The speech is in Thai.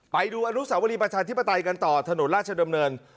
ไปดูอนุสาวรีประชาธิปไตยกันต่อถนนราชดำเนิน